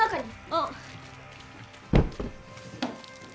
ああ。